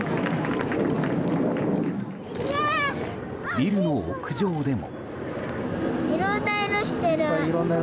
ビルの屋上でも。